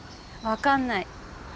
わかんない。